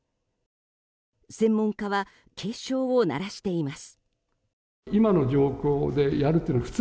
専門家は警鐘を鳴らしています。